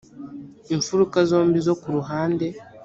imfuruka zombi zo ku ruhande